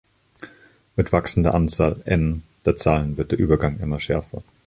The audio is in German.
Mit wachsender Anzahl "N" der Zahlen wird der Übergang immer schärfer.